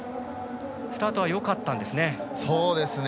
スタートはよかったんですね。